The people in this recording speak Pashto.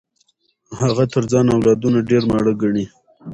هغه تر ځان اولادونه ډېر ماړه ګڼي.